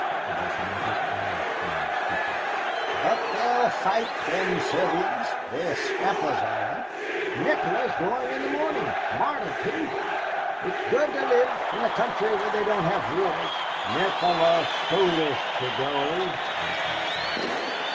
It was one of his Irish friends speaking. "But they'll fight, them Serbians; they're scrappers all right. Nikola is going in the morning. Marta too. It is good to live in a country where they don't have wars." "Nikola's foolish to go," broke in some one.